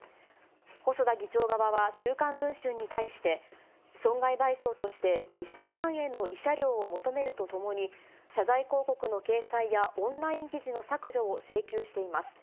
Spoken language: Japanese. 細田議長側は週刊文春に対して、損害賠償として２０００万円の慰謝料を求めるとともに、謝罪広告の掲載やオンライン記事の削除を請求しています。